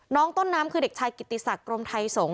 น้องต้นน้ำคือเด็กชายกิติศักดิ์กรมไทยสงฆ